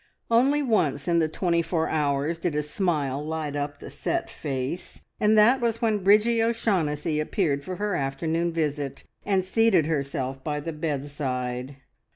Only once in the twenty four hours did a smile light up the set face, and that was when Bridgie O'Shaughnessy appeared for her afternoon visit, and seated herself by the bedside.